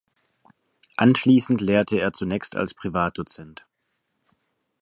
Anschließend lehrte er zunächst als Privatdozent.